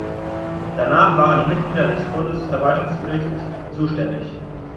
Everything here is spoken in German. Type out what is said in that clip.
Danach waren die Mitglieder des Bundesverwaltungsgericht zuständig.